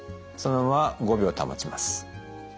そのまま５秒保ちます。